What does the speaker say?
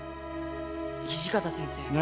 土方先生。